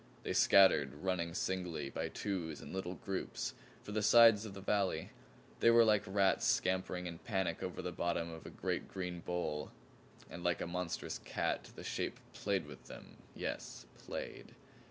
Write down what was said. They scattered, running singly, by twos, in little groups, for the sides of the valley. They were like rats scampering in panic over the bottom of a great green bowl. And like a monstrous cat the shape played with them yes, PLAYED.